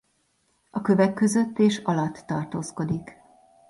A kövek között és alatt tartózkodik.